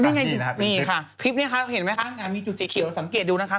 นี่ค่ะคลิปนี้เห็นไหมงานมีจุศิเขียวสังเกตดูนะคะ